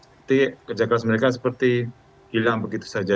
jadi kerja keras mereka seperti hilang begitu saja